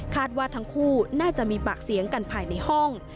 ว่าทั้งคู่น่าจะมีปากเสียงกันภายในห้อง